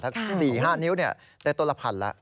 ถ้า๔๕นิ้วได้ต้นละ๑๐๐๐บาทแล้ว